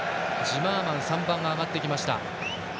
ジマーマンが上がってきました。